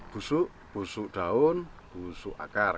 busuk busuk daun busuk akar